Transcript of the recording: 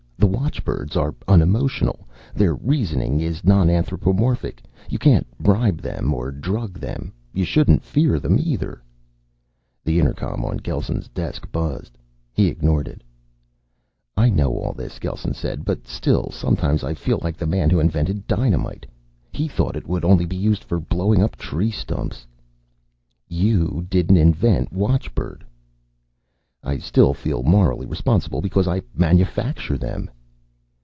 The watchbirds are unemotional. Their reasoning is non anthropomorphic. You can't bribe them or drug them. You shouldn't fear them, either." The intercom on Gelsen's desk buzzed. He ignored it. "I know all this," Gelsen said. "But, still, sometimes I feel like the man who invented dynamite. He thought it would only be used for blowing up tree stumps." "You didn't invent watchbird." "I still feel morally responsible because I manufacture them."